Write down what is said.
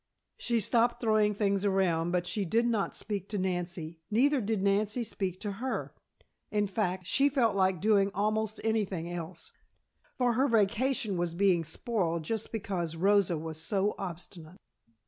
She stopped throwing things around but she did not speak to Nancy. Neither did Nancy speak to her. In fact, she felt like doing almost anything else, for her vacation was being spoiled just because Rosa was so obstinate.